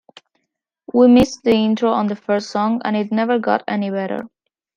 We missed the intro on the first song and it never got any better.